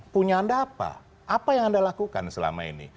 punya anda apa apa yang anda lakukan selama ini